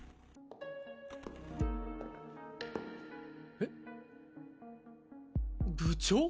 えっ部長？